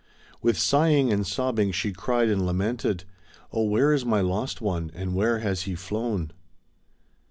With sighing and sobbing she cried and lamented: 0h where is my lost one, and where has he flown